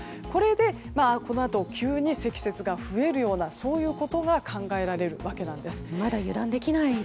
これでこのあと急に積雪が増えるようなそういうことが考えられるわけなんです。